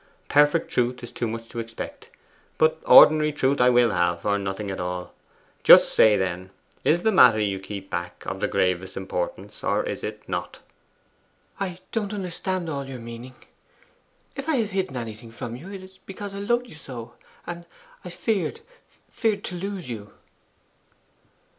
Perfect truth is too much to expect, but ordinary truth I WILL HAVE or nothing at all. Just say, then; is the matter you keep back of the gravest importance, or is it not?' 'I don't understand all your meaning. If I have hidden anything from you, it has been because I loved you so, and I feared feared to lose you.